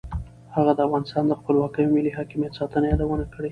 هغه د افغانستان د خپلواکۍ او ملي حاکمیت ساتنه یادونه کړې.